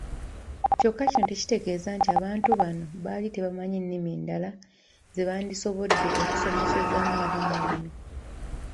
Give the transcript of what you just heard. Kyokka kino tekitegeeza nti abantu bano baali tebamanyi nnimi ndala ze bandisobodde okusomesezaamu abaana bano.